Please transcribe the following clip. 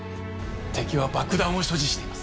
敵は爆弾を所持しています。